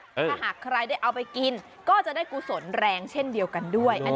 ถ้าหากใครได้เอาไปกินก็จะได้กุศลแรงเช่นเดียวกันด้วย